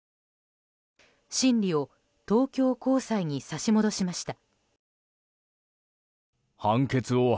審理を東京高裁に差し戻しました。